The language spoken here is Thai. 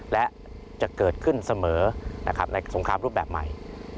และจะเกิดขึ้นเสมอในสงครามรูปแบบใหม่